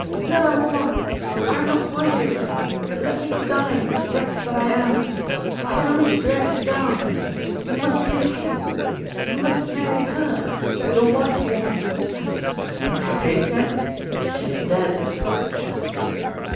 never more! I am not worthy of you! Let me die, wretch that I am! I can only drag you down. You must be a king. You must marry her the wise woman!' 'Hypatia! She is dead!